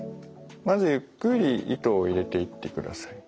まずゆっくり糸を入れていってください。